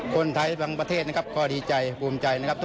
คนไทยบางประเทศนะครับก็ดีใจภูมิใจนะครับ